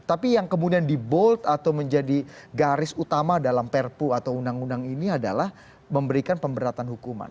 tapi yang kemudian di bold atau menjadi garis utama dalam perpu atau undang undang ini adalah memberikan pemberatan hukuman